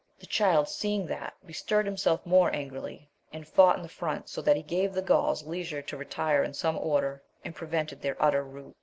The Child seeing that, bestirred himself more angrily, and fought in the front, so that he gave the Gauls leisure to retire in some order, and prevented their utter rout.